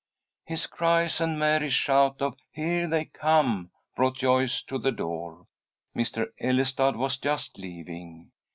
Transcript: His cries and Mary's shout of "Here they come" brought Joyce to the door. Mr. Ellestad was just leaving.